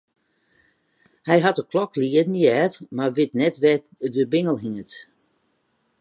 Hy hat de klok lieden heard, mar wit net wêr't de bingel hinget.